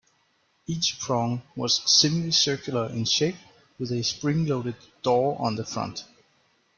Each prong was semi-circular in shape with a spring-loaded "door" on the front.